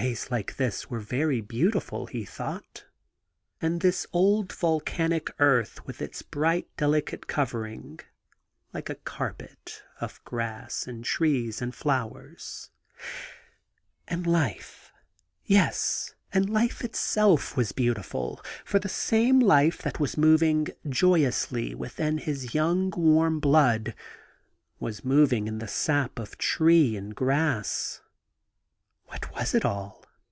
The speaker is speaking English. Days like this were very beautifiil, he thought, and 55 THE GARDEN GOD this old volcanic earth with its bright delicate cover ing, like a carpet, of grass and trees and flowers. And life! — ^yes; and life itself was beautiful! For the same life that was moving joyously within his young warm blood, was moving in the sap of tree and grass. What was it all